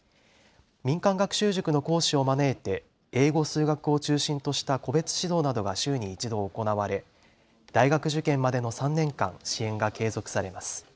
民間学習塾の講師を招いて英語、数学を中心とした個別指導などが週に１度行われ大学受験までの３年間、支援が継続されます。